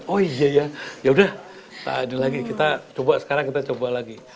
oh iya ya yaudah tak ada lagi kita coba sekarang kita coba lagi